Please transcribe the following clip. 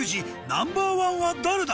ナンバー１は誰だ？